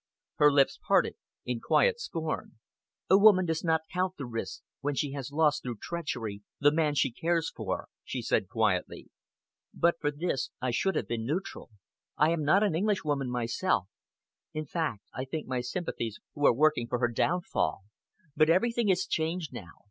Her lips parted in quiet scorn. "A woman does not count the risks, when she has lost, through treachery, the man she cares for," she said quietly. "But for this, I should have been neutral. I am not an Englishwoman myself in fact, I think my sympathies were with those who are working for her downfall. But everything is changed now!